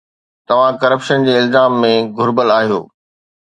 توهان ڪرپشن جي الزامن ۾ گھريل آهيو.